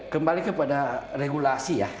kembali kepada regulasi ya